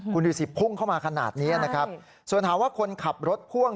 คุณดูสิพุ่งเข้ามาขนาดนี้นะครับส่วนถามว่าคนขับรถพ่วง